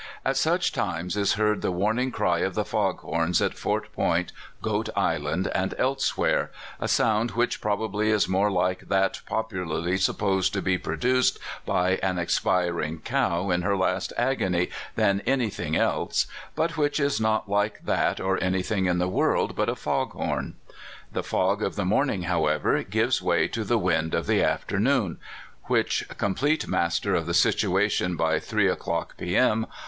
At such times is heard the warning cry of the fog horns at Fort Point, Goat Island, and elsewhere a sound which probably is more like that popularly supposed to be produced by an expiring cow in her last agony than any thing else, but which is not like that or any thing in the world but a fog horn. The fog of the morning, however, gives way to the wind of the afternoon, which, complete master of the situ ation by three o'clock P.M.